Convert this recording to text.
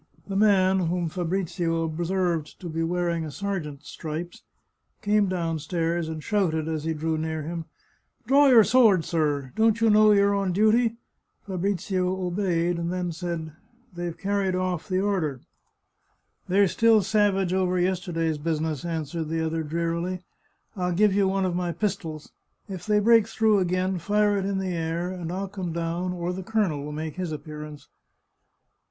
The man, whom Fabrizio observed to be wearing a ser geant's stripes, came downstairs, and shouted, as he drew near him, " Draw your sword, sir ! Don't you know you're on duty ?" Fabrizio obeyed, and then said, " They've car ried off the order !"" They're still savage over yesterday's business," an swered the other drearily. " I'll give you one of my pistols. If they break through again fire it in the air, and I'll come down, or the colonel will make his appearance."